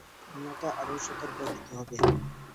আমাকে আরো সতর্ক হতে হবে।